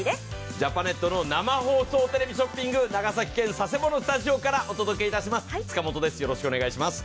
ジャパネットの生放送ショッピング、長崎県佐世保のスタジオからお届けします。